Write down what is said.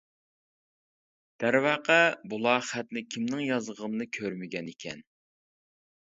دەرۋەقە، بۇلار خەتنى كىمنىڭ يازغىنىنى كۆرمىگەن ئىكەن.